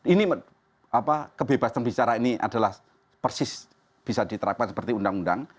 ini kebebasan bicara ini adalah persis bisa diterapkan seperti undang undang